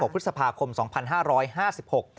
พฤษภาคมสองพันห้าร้อยห้าสิบหก